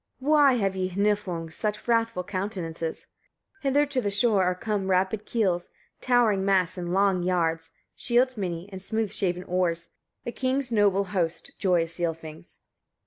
"Why have ye Hniflungs such wrathful countenances?" 48. "Hither to the shore are come rapid keels, towering masts, and long yards, shields many, and smooth shaven oars, a king's noble host, joyous Ylfings.